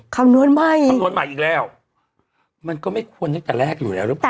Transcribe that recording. คำนวณใหม่อีกแล้วมันก็ไม่ควรอยู่แต่แรกอยู่แล้วหรือเปล่า